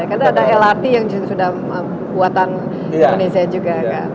karena ada lrt yang sudah buatan indonesia juga kan